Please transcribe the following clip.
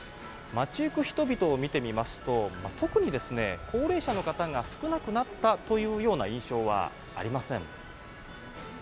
街行く人々を見てみますと特に高齢者の方が少なくなったという印象はありません。